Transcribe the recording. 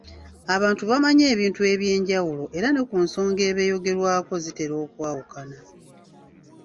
Abantu bamanyi ebintu eby’enjawulo era ne ku nsonga eba eyogerwako zitera okwawukana.